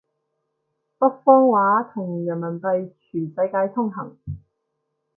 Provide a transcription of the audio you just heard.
北方話同人民幣全世界通行